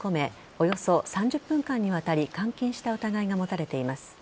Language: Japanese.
およそ３０分間にわたり監禁した疑いが持たれています。